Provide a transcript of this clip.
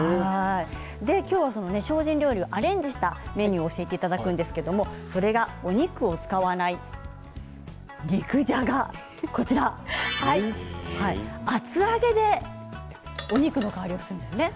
今日はその精進料理をアレンジしたメニューを教えていただくんですけどもそれがお肉を使わない肉じゃが、厚揚げでお肉の代わりをするんですよね。